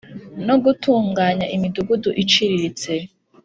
no gutunganya imidugudu iciriritse;